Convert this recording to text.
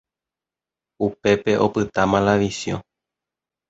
Upépe opyta Malavisiõ.